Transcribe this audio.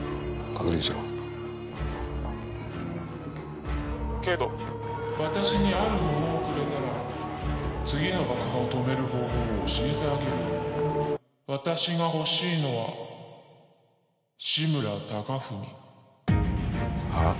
確認しろけど私にあるものをくれたら次の爆破を止める方法を教えてあげる私が欲しいのは志村貴文はあ？